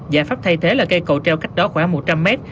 giải pháp thay thế là cây cầu treo cách đó khoảng một trăm linh mét